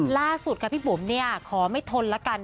ล่าสุดค่ะพี่บุ๋มขอไม่ทนล่ะกัน